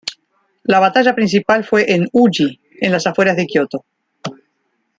La batalla principal fue en Uji en las afueras de Kioto.